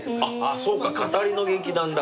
そうか語りの劇団だから。